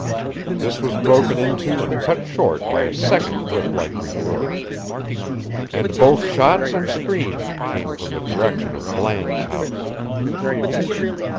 This was broken into and cut short by a second whip like report. And both shots and scream came from the direction of Bland's house.